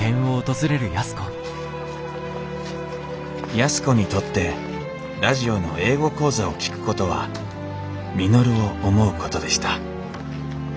安子にとってラジオの英語講座を聴くことは稔を思うことでした。